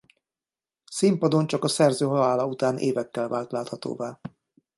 Színpadon csak a szerző halála után évekkel vált láthatóvá.